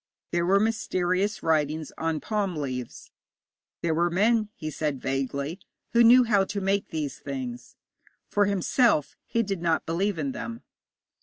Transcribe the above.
There were mysterious writings on palm leaves. There were men, he said vaguely, who knew how to make these things. For himself, he did not believe in them.